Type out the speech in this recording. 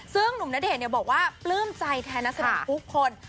ซึ่งหนุ่มณเดชน์เนี่ยบอกว่าปลื้มใจแทนนักศึกษ์ทุกคน